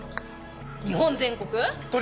日本全国⁉鳥！